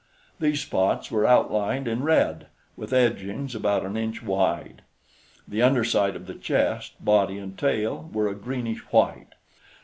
These spots were outlined in red with edgings about an inch wide. The underside of the chest, body and tail were a greenish white.